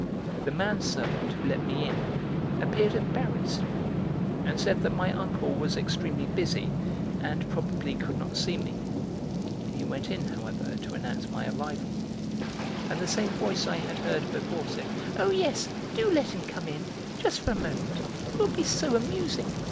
The man servant who let me in appeared embarrassed, and said that my uncle was extremely busy and probably could not see me; he went in, however, to announce my arrival, and the same voice I had heard before said: "Oh, yes! Do let him come in; just for a moment; it will be so amusing.